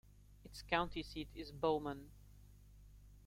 Its county seat is Bowman.